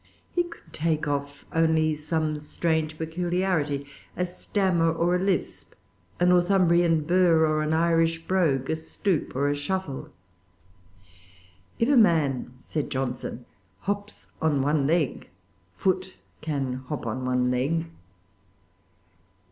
He could take off only some strange peculiarity, a stammer or a lisp, a Northumbrian burr or an Irish brogue, a stoop or a shuffle. "If a man," said Johnson, "hops on one leg, Foote can hop on one leg."